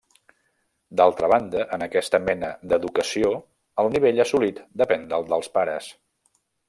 D'altra banda, en aquesta mena d'educació el nivell assolit depèn del dels pares.